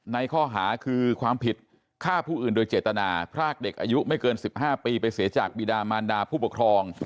ในข้อหาคือความผิดฆ่าผู้อื่นโดยเจตนาพรากเด็กอายุไม่เกิน๑๕ปีไปเสียจากบิดามานดาผู้ปกครอง